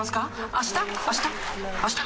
あした？